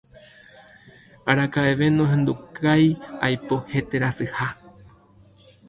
araka'eve nohendukái aipo heterasyha